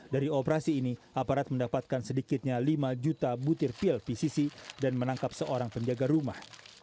dari operasi ini aparat mendapatkan sedikitnya lima juta butir pil pcc dan menangkap seorang penjaga rumah